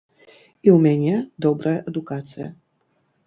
І ў мяне добрая адукацыя.